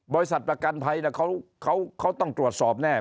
ประกันภัยเขาต้องตรวจสอบแน่